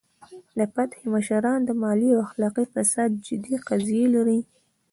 د فتح مشران د مالي او اخلاقي فساد جدي قضیې لري.